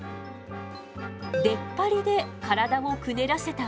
出っ張りで体をくねらせたわ。